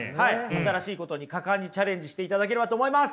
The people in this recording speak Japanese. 新しいことに果敢にチャレンジしていただければと思います。